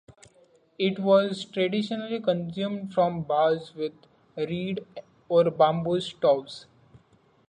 It was traditionally consumed from jars with reed or bamboo straws.